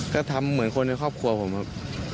ก็ทำเหมือนคนในครอบครัวผมครับ